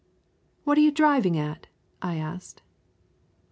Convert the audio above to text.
"What are you driving at?" I asked.